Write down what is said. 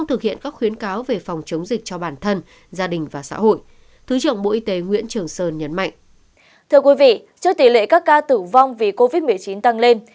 thưa quý vị trước tỷ lệ các ca tử vong vì covid một mươi chín tăng lên